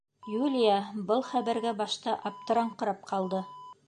Юлия был хәбәргә башта аптыраңҡырап ҡалды: